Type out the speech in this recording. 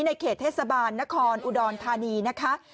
ในเขตเทศบาลนครอุดรธานีนะคะ